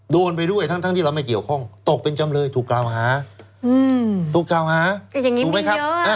โดนไปด้วยทั้งที่เราไม่เกี่ยวข้องตกเป็นจำเลยถูกกล่าวมึงทางนี้มิเยอะ